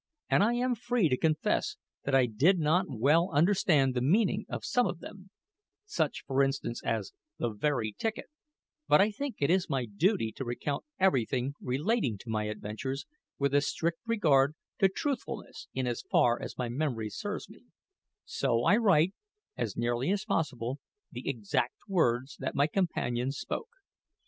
And I am free to confess that I did not well understand the meaning of some of them such, for instance, as "the very ticket;" but I think it my duty to recount everything relating to my adventures with a strict regard to truthfulness in as far as my memory serves me, so I write, as nearly as possible, the exact words that my companions spoke.